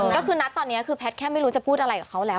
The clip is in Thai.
ก็คือนัดตอนนี้คือแพทย์แค่ไม่รู้จะพูดอะไรกับเขาแล้ว